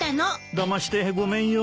だましてごめんよ。